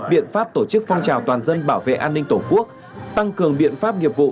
biện pháp tổ chức phong trào toàn dân bảo vệ an ninh tổ quốc tăng cường biện pháp nghiệp vụ